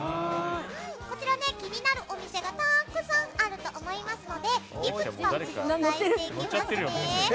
こちら、気になるお店がたくさんあると思いますのでいくつかお伝えしていきますね。